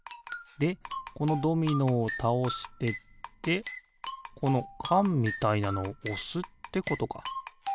でこのドミノをたおしてってこのかんみたいなのをおすってことか。